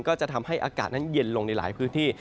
ก็จะทำให้อากาศนั้นเย็นลงในหลายพื้นที่